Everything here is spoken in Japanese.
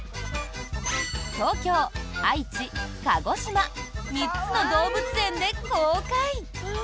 東京、愛知、鹿児島３つの動物園で公開。